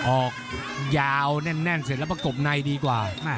ออกยาวแน่นเสร็จแล้วประกบในดีกว่า